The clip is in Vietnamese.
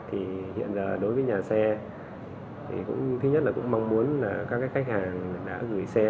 thì hiện ra đối với nhà xe thì thứ nhất là cũng mong muốn là các cái khách hàng đã gửi xe